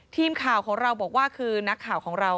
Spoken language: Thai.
ทีมข่าวของเราบอกว่าคือนักข่าวของเรา